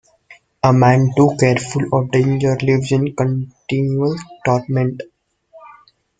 A man too careful of danger lives in continual torment.